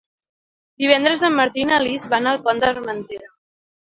Divendres en Martí i na Lis van al Pont d'Armentera.